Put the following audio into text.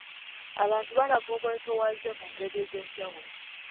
Abantu balaga obwetowaze mu ngeri ez'enjawulo